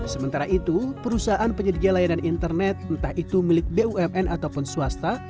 sementara itu perusahaan penyedia layanan internet entah itu milik bumn ataupun swasta